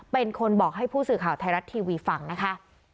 เป็นคนบอกให้ผู้สื่อข่าวไทยรัฐทีวีฟังนะคะ